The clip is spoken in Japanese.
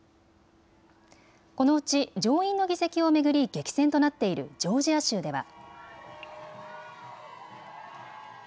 このうち上院の議席を巡り、激戦となっているジョージア州では。